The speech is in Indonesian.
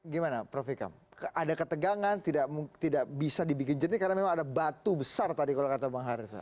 gimana prof ikam ada ketegangan tidak bisa dibikin jernih karena memang ada batu besar tadi kalau kata bang haris